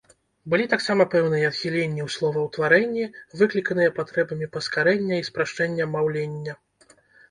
Былі таксама пэўныя адхіленні ў словаўтварэнні, выкліканыя патрэбамі паскарэння і спрашчэння маўлення.